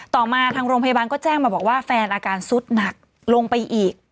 ต่อมาทางโรงพยาบาลก็แจ้งมาบอกว่าแฟนอาการสุดหนักลงไปอีก